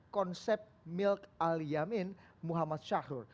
konsep milk al yamin muhammad syahrul